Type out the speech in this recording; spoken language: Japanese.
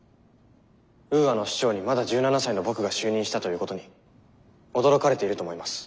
ウーアの首長にまだ１７才の僕が就任したということに驚かれていると思います。